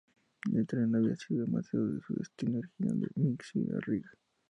El tren había sido desviado de su destino original de Minsk a Riga.